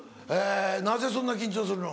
なぜそんな緊張するの？